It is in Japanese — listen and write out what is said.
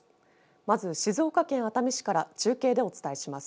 まず静岡県熱海市から中継でお伝えします。